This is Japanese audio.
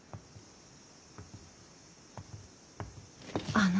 あの。